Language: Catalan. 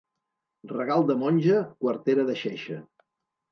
Regal de monja, quartera de xeixa.